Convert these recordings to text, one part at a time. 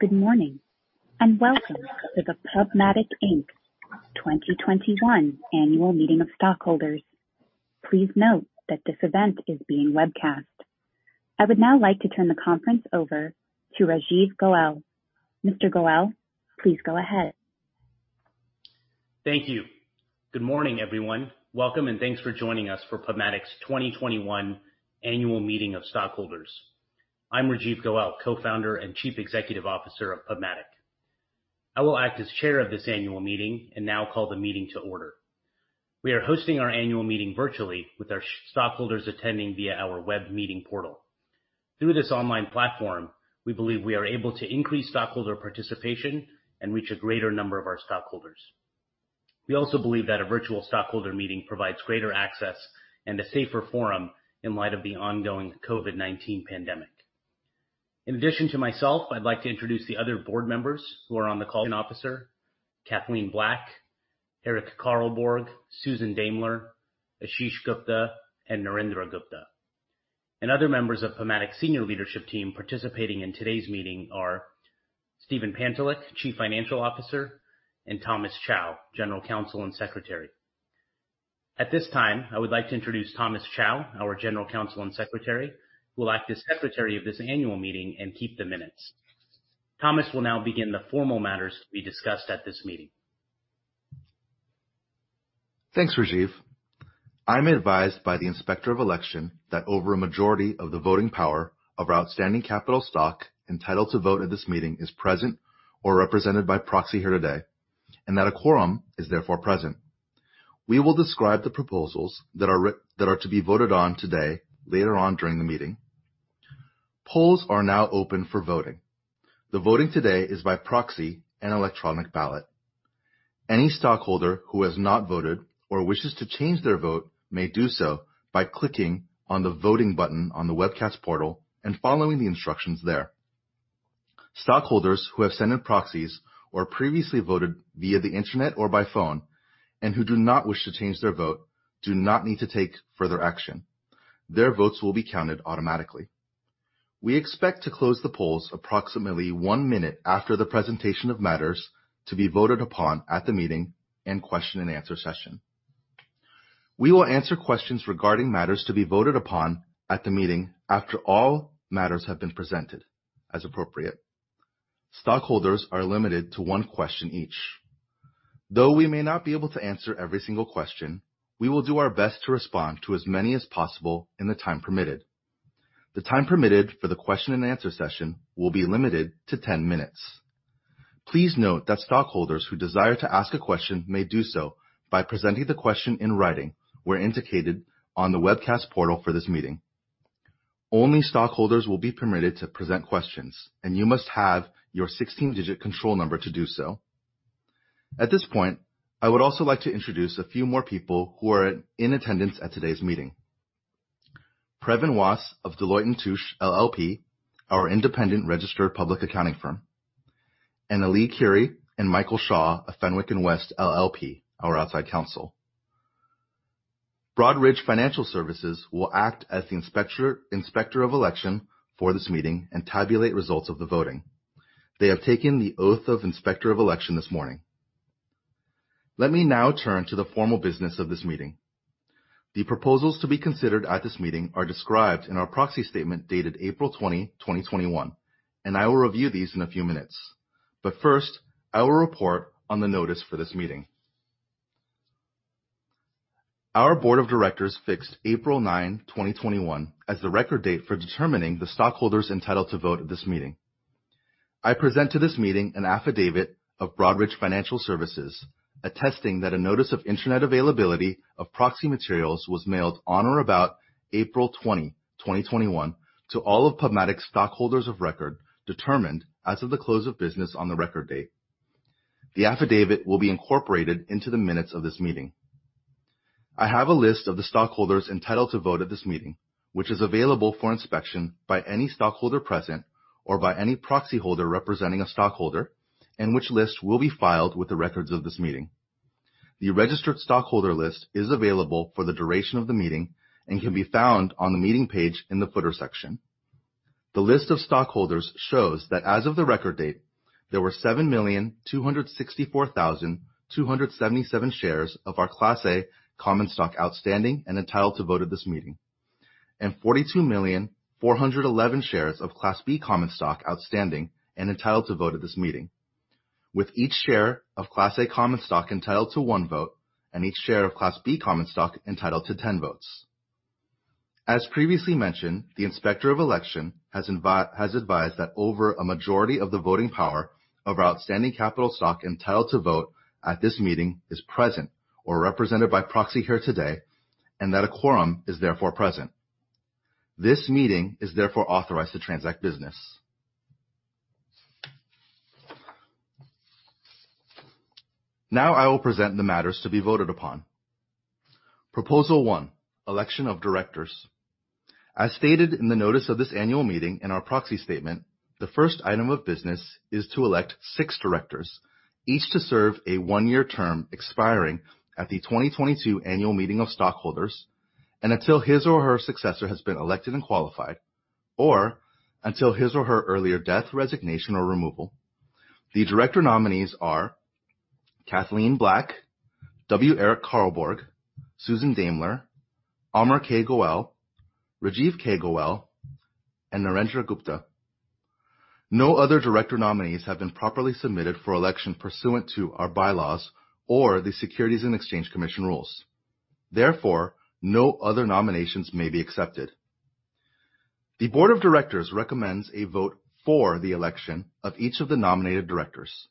Good morning. Welcome to the PubMatic, Inc. 2021 Annual Meeting of Stockholders. Please note that this event is being webcast. I would now like to turn the conference over to Rajeev Goel. Mr. Goel, please go ahead. Thank you. Good morning, everyone. Welcome, and thanks for joining us for PubMatic Inc. 2021 Annual Meeting of Stockholders. I'm Rajeev Goel, Co-Founder and Chief Executive Officer of PubMatic. I will act as chair of this annual meeting and now call the meeting to order. We are hosting our annual meeting virtually with our stockholders attending via our web meeting portal. Through this online platform, we believe we are able to increase stockholder participation and reach a greater number of our stockholders. We also believe that a virtual stockholder meeting provides greater access and a safer forum in light of the ongoing COVID-19 pandemic. In addition to myself, I'd like to introduce the other board members who are on the call, Cathleen Black, Eric Carlborg, Susan Daimler, Ashish Gupta, and Naren Gupta. Other members of PubMatic senior leadership team participating in today's meeting are Steve Pantelick, Chief Financial Officer, and Thomas Chow, General Counsel and Secretary. At this time, I would like to introduce Thomas Chow, our general counsel and secretary, who will act as secretary of this annual meeting and keep the minutes. Thomas will now begin the formal matters to be discussed at this meeting. Thanks, Rajeev. I'm advised by the Inspector of Election that over a majority of the voting power of our outstanding capital stock entitled to vote at this meeting is present or represented by proxy here today and that a quorum is therefore present. We will describe the proposals that are to be voted on today later on during the meeting. Polls are now open for voting. The voting today is by proxy and electronic ballot. Any stockholder who has not voted or wishes to change their vote may do so by clicking on the voting button on the webcast portal and following the instructions there. Stockholders who have sent in proxies or previously voted via the Internet or by phone and who do not wish to change their vote do not need to take further action. Their votes will be counted automatically. We expect to close the polls approximately one minute after the presentation of matters to be voted upon at the meeting and question and answer session. We will answer questions regarding matters to be voted upon at the meeting after all matters have been presented, as appropriate. Stockholders are limited to one question each. Though we may not be able to answer every single question, we will do our best to respond to as many as possible in the time permitted. The time permitted for the question and answer session will be limited to 10 minutes. Please note that stockholders who desire to ask a question may do so by presenting the question in writing where indicated on the webcast portal for this meeting. Only stockholders will be permitted to present questions, and you must have your 16-digit control number to do so. At this point, I would also like to introduce a few more people who are in attendance at today's meeting. Previn Wass of Deloitte & Touche LLP, our independent registered public accounting firm, and Ali Curie and Michael Shaw of Fenwick & West LLP, our outside counsel. Broadridge Financial Services will act as the Inspector of Election for this meeting and tabulate results of the voting. They have taken the oath of Inspector of Election this morning. Let me now turn to the formal business of this meeting. The proposals to be considered at this meeting are described in our proxy statement dated April 20th, 2021, and I will review these in a few minutes. First, I will report on the notice for this meeting. Our board of directors fixed April 9th, 2021, as the record date for determining the stockholders entitled to vote at this meeting. I present to this meeting an affidavit of Broadridge Financial Solutions attesting that a notice of Internet availability of proxy materials was mailed on or about April 20th, 2021, to all of PubMatic stockholders of record determined as of the close of business on the record date. The affidavit will be incorporated into the minutes of this meeting. I have a list of the stockholders entitled to vote at this meeting, which is available for inspection by any stockholder present or by any proxy holder representing a stockholder and which list will be filed with the records of this meeting. The registered stockholder list is available for the duration of the meeting and can be found on the meeting page in the footer section. The list of stockholders shows that as of the record date, there were 7,264,277 shares of our Class A common stock outstanding and entitled to vote at this meeting, and 42,000,411 shares of Class B common stock outstanding entitled to vote at this meeting. With each share of Class A common stock entitled to one vote and each share of Class B common stock entitled to 10 votes. As previously mentioned, the Inspector of Election has advised that over a majority of the voting power of our outstanding capital stock entitled to vote at this meeting is present or represented by proxy here today and that a quorum is therefore present. This meeting is therefore authorized to transact business. Now I will present the matters to be voted upon. Proposal one, Election of Directors. As stated in the notice of this annual meeting and our proxy statement, the first item of business is to elect six directors, each to serve a one-year term expiring at the 2022 annual meeting of stockholders. Until his or her successor has been elected and qualified, or until his or her earlier death, resignation, or removal. The director nominees are Cathleen Black, W. Eric Carlborg, Susan Daimler, Amar Goel, Rajeev Goel, and Naren Gupta. No other director nominees have been properly submitted for election pursuant to our bylaws or the Securities and Exchange Commission rules. Therefore, no other nominations may be accepted. The board of directors recommends a vote for the election of each of the nominated directors.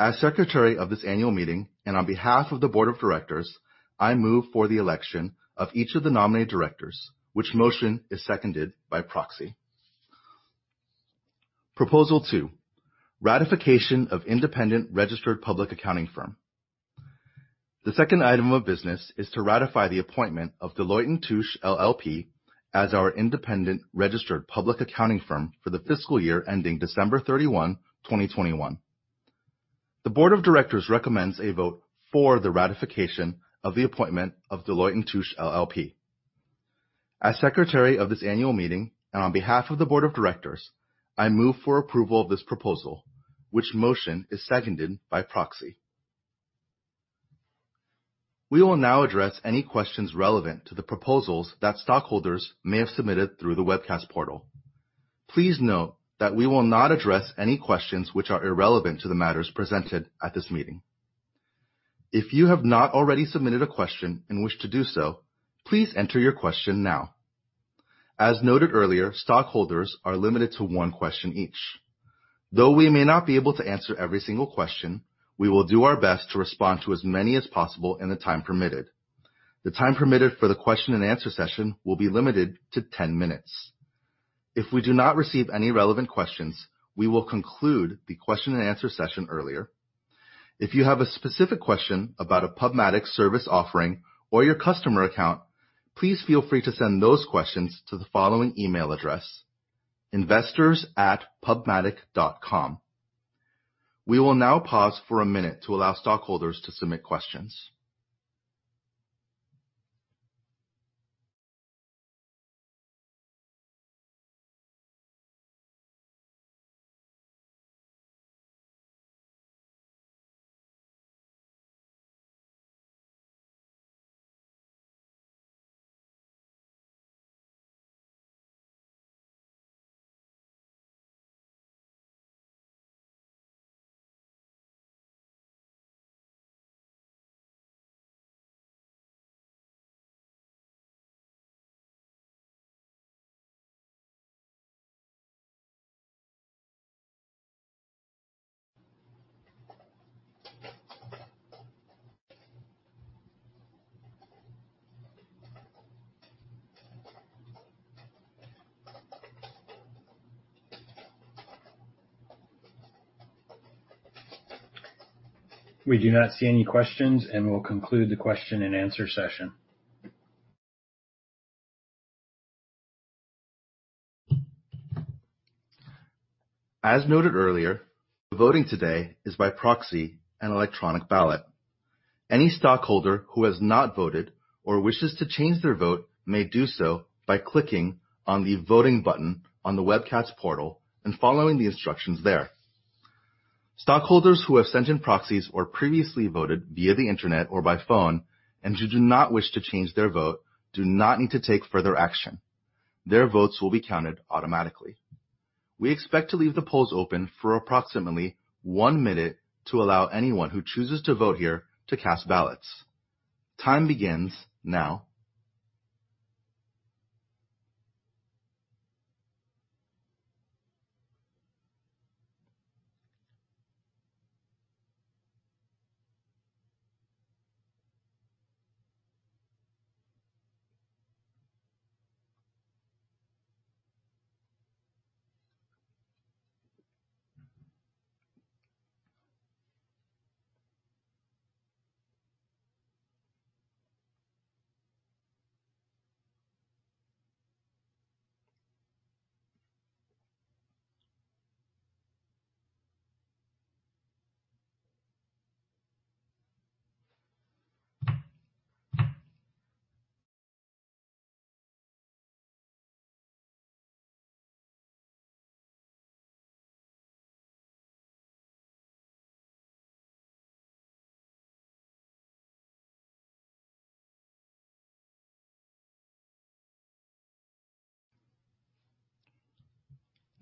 As secretary of this annual meeting and on behalf of the board of directors, I move for the election of each of the nominated directors, which motion is seconded by proxy. Proposal two, ratification of independent registered public accounting firm. The second item of business is to ratify the appointment of Deloitte & Touche LLP as our independent registered public accounting firm for the fiscal year ending December 31st, 2021. The board of directors recommends a vote for the ratification of the appointment of Deloitte & Touche LLP. As secretary of this annual meeting and on behalf of the board of directors, I move for approval of this proposal, which motion is seconded by proxy. We will now address any questions relevant to the proposals that stockholders may have submitted through the webcast portal. Please note that we will not address any questions which are irrelevant to the matters presented at this meeting. If you have not already submitted a question and wish to do so, please enter your question now. As noted earlier, stockholders are limited to one question each. Though we may not be able to answer every single question, we will do our best to respond to as many as possible in the time permitted. The time permitted for the question and answer session will be limited to 10 minutes. If we do not receive any relevant questions, we will conclude the question and answer session earlier. If you have a specific question about a PubMatic service offering or your customer account, please feel free to send those questions to the following email address, investors@pubmatic.com. We will now pause for a minute to allow stockholders to submit questions. We do not see any questions, and we'll conclude the question and answer session. As noted earlier, the voting today is by proxy and electronic ballot. Any stockholder who has not voted or wishes to change their vote may do so by clicking on the voting button on the webcast portal and following the instructions there. Stockholders who have sent in proxies or previously voted via the Internet or by phone and who do not wish to change their vote do not need to take further action. Their votes will be counted automatically. We expect to leave the polls open for approximately one minute to allow anyone who chooses to vote here to cast ballots. Time begins now.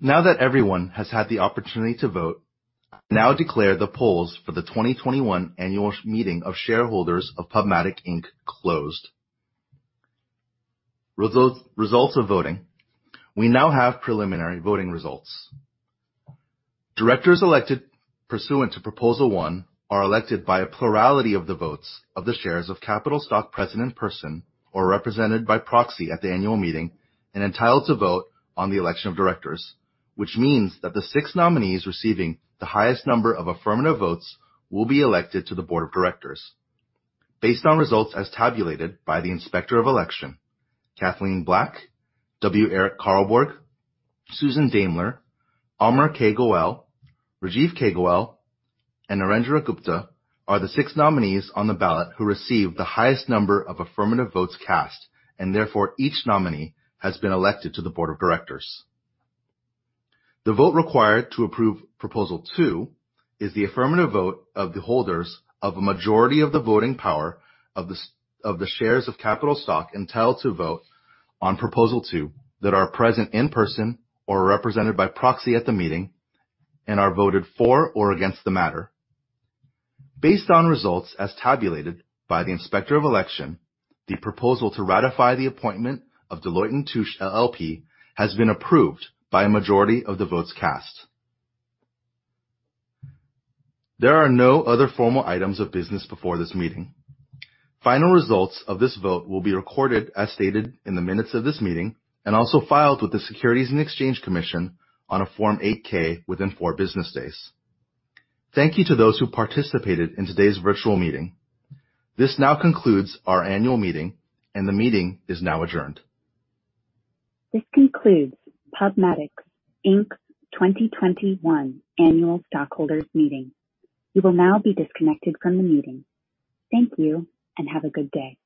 Now that everyone has had the opportunity to vote, I now declare the polls for the 2021 Annual Meeting of Stockholders of PubMatic, Inc. closed. Results of voting. We now have preliminary voting results. Directors elected pursuant to proposal one are elected by a plurality of the votes of the shares of capital stock present in person or represented by proxy at the annual meeting and entitled to vote on the election of directors, which means that the six nominees receiving the highest number of affirmative votes will be elected to the board of directors. Based on results as tabulated by the Inspector of Election, Cathleen Black, W. Eric Carlborg, Susan Daimler, Amar K. Goel, Rajeev K. Goel, and Naren Gupta are the six nominees on the ballot who received the highest number of affirmative votes cast, and therefore each nominee has been elected to the board of directors. The vote required to approve proposal two is the affirmative vote of the holders of a majority of the voting power of the shares of capital stock entitled to vote on proposal two that are present in person or represented by proxy at the meeting and are voted for or against the matter. Based on results as tabulated by the Inspector of Election, the proposal to ratify the appointment of Deloitte & Touche LLP has been approved by a majority of the votes cast. There are no other formal items of business before this meeting. Final results of this vote will be recorded as stated in the minutes of this meeting and also filed with the Securities and Exchange Commission on a Form 8-K within four business days. Thank you to those who participated in today's virtual meeting. This now concludes our annual meeting, and the meeting is now adjourned. This concludes PubMatic, Inc.'s 2021 Annual Meeting of Stockholders. You will now be disconnected from the meeting. Thank you, and have a good day.